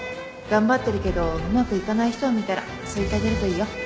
頑張ってるけどうまくいかない人を見たらそう言ってあげるといいよ。